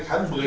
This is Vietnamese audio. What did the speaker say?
thì đến nay